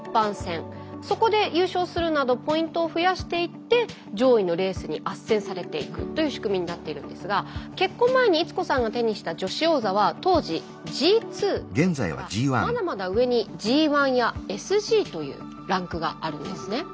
そこで優勝するなどポイントを増やしていって上位のレースに斡旋されていくという仕組みになっているんですが結婚前に逸子さんが手にした女子王座は当時Ｇ２ですからまだまだ上にＧ１やＳＧというランクがあるんですね。